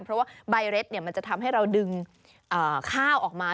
เพราะว่าใบเร็ดมันจะทำให้เราดึงข้าวออกมา